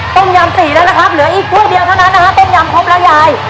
ต้มยำสี่แล้วนะครับเหลืออีกพวกเดียวเท่านั้นนะฮะต้มยำครบแล้วยาย